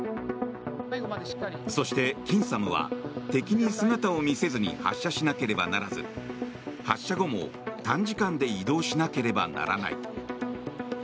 そして、近ＳＡＭは敵に姿を見せずに発射しなければならず発射後も短時間で移動しなければならない。